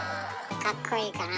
かっこいいかなあ？